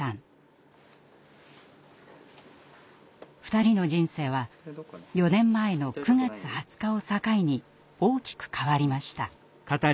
２人の人生は４年前の９月２０日を境に大きく変わりました。